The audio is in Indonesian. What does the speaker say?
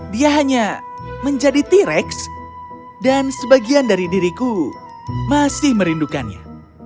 dia hanya menjadi t rex dan sebagian dari diriku masih merindukannya